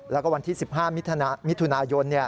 แล้วก็วันที่๑๕มิถุนายน